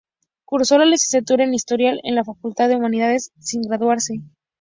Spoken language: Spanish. Cursó la Licenciatura en Historia en la Facultad de Humanidades sin graduarse.